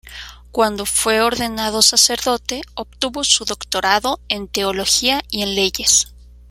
Cuando fue ordenado sacerdote, obtuvo su doctorado en teología y en leyes.